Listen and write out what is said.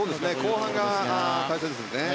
後半が大切ですね。